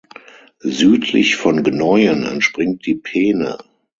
Südlich von Gnoien entspringt die Peene.